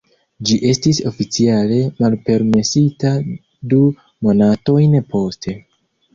Ĝi estis oficiale malpermesita du monatojn poste.